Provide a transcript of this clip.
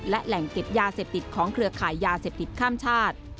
และแหล่งเก็บยาเสพติดของเครือขายยาเสพติดข้ามชาติ